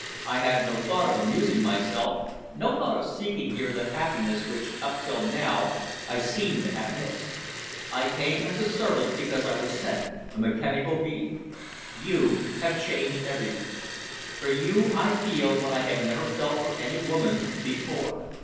I had no thought of amusing myself, no thought of seeking here the happiness which up till now I seem to have missed. I came as a servant because I was sent, a mechanical being. You have changed everything. For you I feel what I have never felt for any woman before.